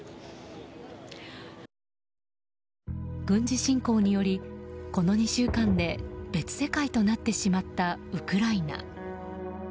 軍事侵攻により、この２週間で別世界となってしまったウクライナ。